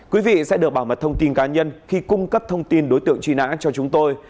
quý vị sẽ được bảo mật thông tin cá nhân khi cung cấp thông tin đối tượng truy nã cho chúng tôi